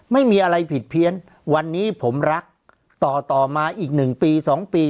ไม่มีอะไรผิดเพี้ยนวันนี้ผมรักต่อต่อมาอีก๑ปี๒ปี